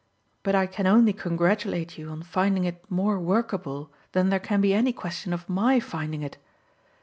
But I can only congratulate you on finding it more workable than there can be any question of MY finding it.